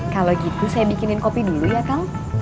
kalau gitu saya bikinin kopi dulu ya kang